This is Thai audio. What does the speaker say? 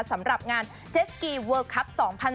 สำหรับงานเจสกีเวอร์คลับ๒๐๑๖